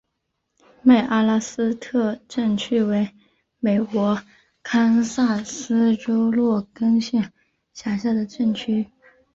麦阿拉斯特镇区为美国堪萨斯州洛根县辖下的镇区。